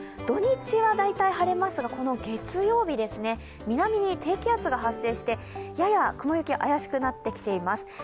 土日は大体晴れますが、月曜日、南に低気圧が発生して、やや雲行きが怪しくなってきています。